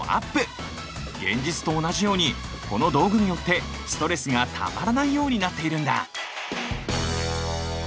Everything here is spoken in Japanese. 現実と同じようにこの道具によってストレスがたまらないようになっているんだ